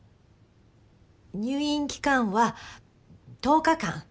入院期間は１０日間。